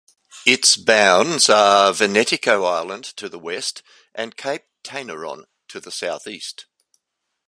Its bounds are Venetiko Island to the west and Cape Tainaron to the southeast.